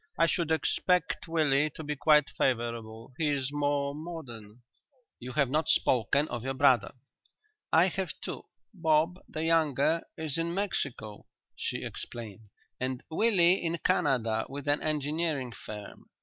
I should expect Willie to be quite favourable. He is more modern." "You have not spoken of your brother." "I have two. Bob, the younger, is in Mexico," she explained; "and Willie in Canada with an engineering firm.